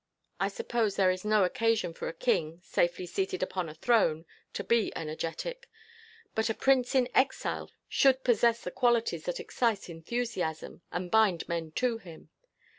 I suppose there is no occasion for a king, safely seated upon a throne, to be energetic; but a prince in exile should possess the qualities that excite enthusiasm, and bind men to him.